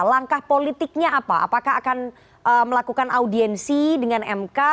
langkah politiknya apa apakah akan melakukan audiensi dengan mk